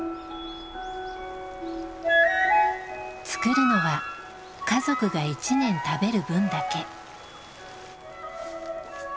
作るのは家族が一年食べる分だけ。